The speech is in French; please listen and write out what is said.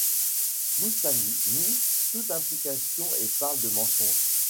Boustany nie toute implication et parle de mensonges.